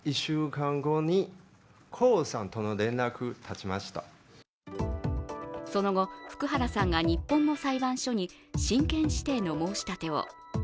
しかし、去年７月その後、福原さんが日本の裁判所に親権指定の申し立てを。